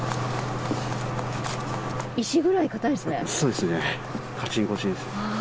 石ぐらい硬いですね。